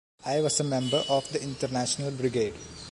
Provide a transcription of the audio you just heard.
I was a member of the International Brigade.